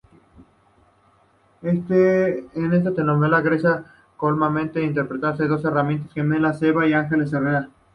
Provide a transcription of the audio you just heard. En esta telenovela Grecia Colmenares interpreta dos hermanas gemelas: Eva y Angeles Herrera.